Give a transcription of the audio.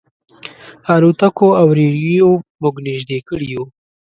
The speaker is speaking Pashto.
الوتکو او رېډیو موږ نيژدې کړي یو.